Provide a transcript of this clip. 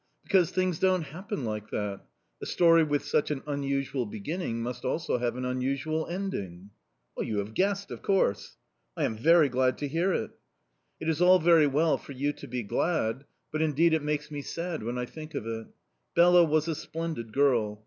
"Because things don't happen like that. A story with such an unusual beginning must also have an unusual ending." "You have guessed, of course"... "I am very glad to hear it." "It is all very well for you to be glad, but, indeed, it makes me sad when I think of it. Bela was a splendid girl.